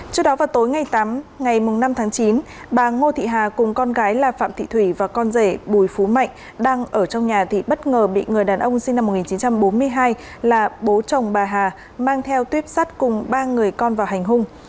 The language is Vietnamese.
trước đó vào tối ngày tám ngày năm tháng chín bà ngô thị hà cùng con gái là phạm thị thủy và con rể bùi phú mạnh đang ở trong nhà thì bất ngờ bị người đàn ông sinh năm một nghìn chín trăm bốn mươi hai là bố chồng bà hà mang theo tuyếp sắt cùng ba người con vào hành hung